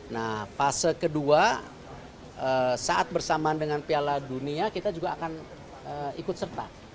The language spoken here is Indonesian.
nah fase kedua saat bersamaan dengan piala dunia kita juga akan ikut serta